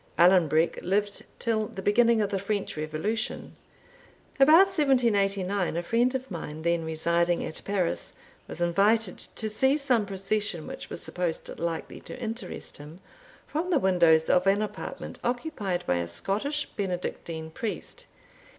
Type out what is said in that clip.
Allan Breck lived till the beginning of the French Revolution. About 1789, a friend of mine, then residing at Paris, was invited to see some procession which was supposed likely to interest him, from the windows of an apartment occupied by a Scottish Benedictine priest.